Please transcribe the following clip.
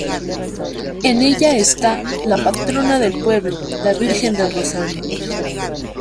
En ella está la patrona del pueblo la Virgen del Rosario.